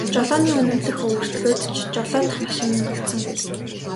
Жолооны үнэмлэх өвөртлөөд ч жолоодох машин нь олдсонгүй.